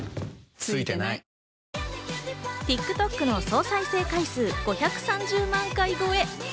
ＴｉｋＴｏｋの総再生回数５３０万回超え。